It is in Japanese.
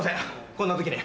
こんな時に。